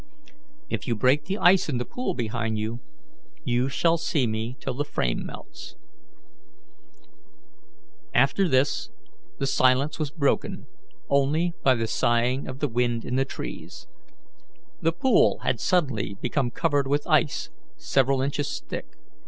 "If you break the ice in the pool behind you, you shall see me till the frame melts." After this the silence was broken only by the sighing of the wind in the trees. The pool had suddenly become covered with ice several inches thick.